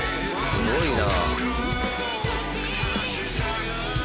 「すごいな」